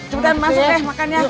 cepetan masuk deh makan ya